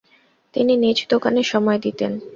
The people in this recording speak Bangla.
তিনি নিজ দোকানে সময় দিতেন।